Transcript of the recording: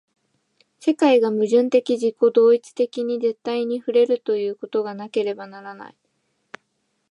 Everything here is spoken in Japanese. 世界が矛盾的自己同一的に絶対に触れるということがなければならない。